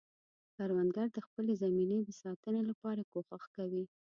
کروندګر د خپلې زمینې د ساتنې لپاره کوښښ کوي